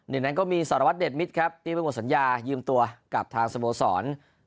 หนึ่งนั้นก็มีสารวัตรเดชมิตรครับที่ไปหมดสัญญายืมตัวกับทางสโมสร